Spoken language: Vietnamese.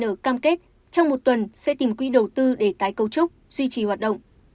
iesvn cam kết trong một tuần sẽ tìm quy đầu tư để tái cấu trúc duy trì hoạt động